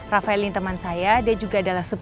rafael ini teman saya dia juga adalah seorang